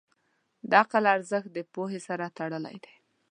د عقل ارزښت د پوهې سره تړلی دی.